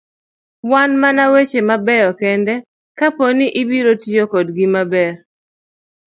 Wan mana weche mabeyo kende kaponi ibiro tiyo kodgi maber.